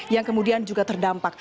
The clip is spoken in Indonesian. yang kemudian juga terdampak